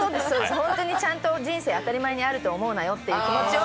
本当に人生、当たり前にあると思うなよという気持ちを。